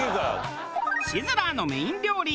シズラーのメイン料理